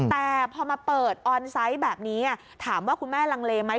แต่พอมาเปิดออนไซต์แบบนี้ถามว่าคุณแม่ลังเลไหม